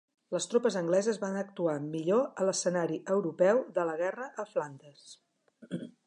Les tropes angleses van actuar millor a l'escenari europeu de la guerra a Flandes.